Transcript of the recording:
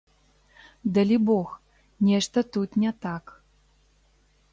Далібог, нешта тут не так.